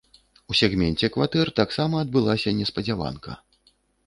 У сегменце кватэр таксама адбылася неспадзяванка.